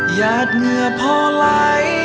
อยากเหงื่อพอไหล